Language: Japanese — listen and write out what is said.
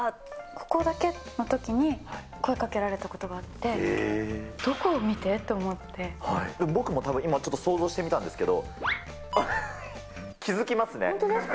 ここだけのときに声かけられたことがあって、どこを見て？と僕もたぶん、今ちょっと想像してみたんですけど。